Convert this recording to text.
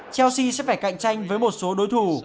chelsea sẽ phải cạnh tranh với một số đối thủ